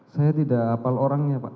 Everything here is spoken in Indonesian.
saya tidak apal orangnya